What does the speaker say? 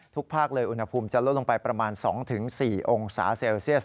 ภาคเลยอุณหภูมิจะลดลงไปประมาณ๒๔องศาเซลเซียส